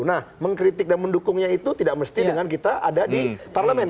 nah mengkritik dan mendukungnya itu tidak mesti dengan kita ada di parlemen